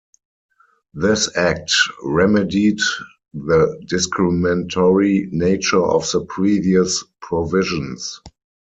This Act remedied the discriminatory nature of the previous provisions.